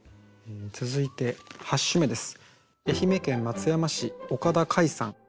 続いて８首目です。